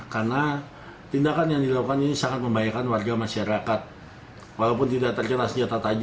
karena tindakan yang dilakukan ini sangat membahayakan warga masyarakat